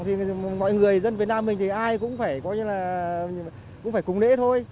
thì mọi người dân việt nam mình thì ai cũng phải cũng như là cũng phải cúng lễ thôi